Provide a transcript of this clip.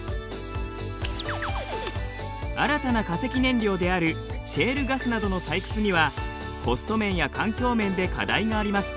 新たな化石燃料であるシェールガスなどの採掘にはコスト面や環境面で課題があります。